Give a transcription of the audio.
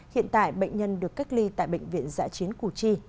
hiện tại bệnh nhân được cách ly tại bệnh viện giã chiến củ chi